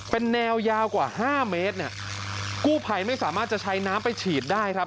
เป็นแนวยาวกว่าห้าเมตรเนี่ยกู้ภัยไม่สามารถจะใช้น้ำไปฉีดได้ครับ